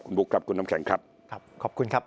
คุณบุ๊คครับคุณน้ำแข็งครับครับขอบคุณครับ